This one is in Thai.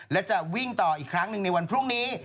และจะวิ่งต่ออีกครั้งหนึ่งในวันพรุ่งนี้